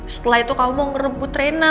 setelah itu kamu mau ngerebut rena